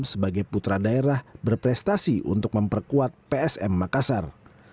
sebagai putra daerah berprestasi untuk memperkuat psm makassar